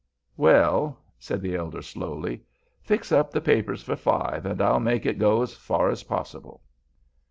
"Well," said the elder, slowly, "fix up the papers for five, an' I'll make it go as far as possible."